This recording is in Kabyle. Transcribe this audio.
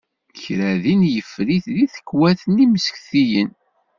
Kra din yeffer-it deg tekwat n yismektiyen.